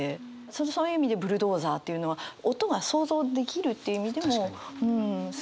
そういう意味でブルドーザーっていうのは音が想像できるという意味でもすごいんだろうなと思って。